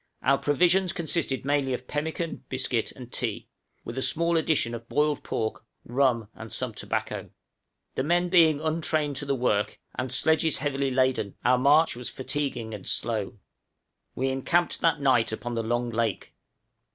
Our provisions consisted mainly of pemmican, biscuit, and tea, with a small addition of boiled pork, rum, and some tobacco. {SLOW PROGRESS.} The men being untrained to the work, and sledges heavily laden, our march was fatiguing and slow. We encamped that night upon the long lake.